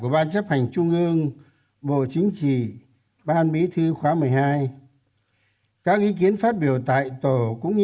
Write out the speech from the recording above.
bàn chấp hành trung ương tin rằng